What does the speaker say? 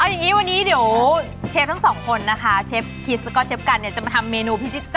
เอาอันนี้วันนี้เดี่ยวเชฟพ่องสองคนนะครับ